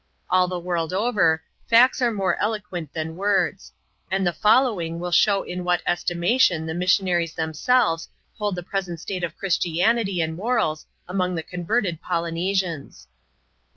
All the world over, facts are more eloquent than words ; and the following will show in what estimation the missionaries themselves hold the present state of Christianity and morals among the converted Polynesians.